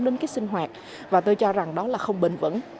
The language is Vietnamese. đến cái sinh hoạt và tôi cho rằng đó là không bình vẫn